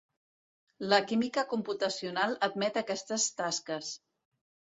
La química computacional admet aquestes tasques.